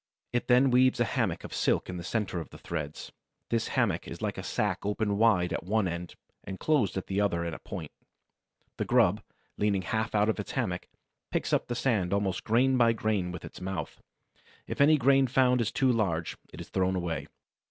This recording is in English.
It then weaves a hammock of silk in the center of the threads. This hammock is like a sack open wide at one end and closed at the other in a point. The grub, leaning half out of its hammock, picks up the sand almost grain by grain with its mouth. If any grain found is too large, it is thrown away.